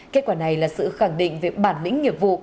kết quả này là sự khẳng định về bản lĩnh nghiệp vụ